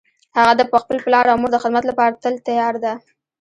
هغه د خپل پلار او مور د خدمت لپاره تل تیار ده